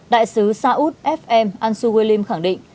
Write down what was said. đại sứ saút fm ansu william khẳng định